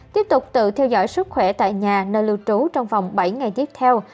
tiếp tục tự theo dõi sức khỏe tại nhà nơi lưu trú trong vòng bảy ngày tiếp theo